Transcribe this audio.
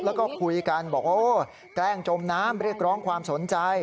แล้วก็คุยกันบอกว่าโอ้แกล้งจมน้ำเรียกร้องความสนใจ